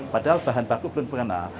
padahal bahan baku belum pernah